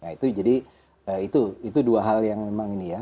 nah itu jadi itu dua hal yang memang ini ya